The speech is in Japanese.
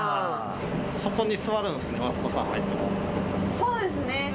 「そこに座るんですね